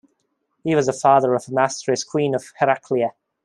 He was the father of Amastris queen of Heraclea.